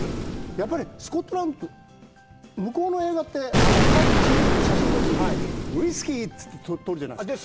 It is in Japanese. やっぱりスコットランド、向こうの映画って、はい、チーズって写真撮るとき“ウイスキー！”って撮るじゃないですか。